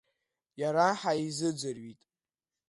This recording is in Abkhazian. Иара ҳаизыӡырҩит.